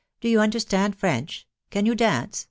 ... Do you under stand French ?•... Can you dance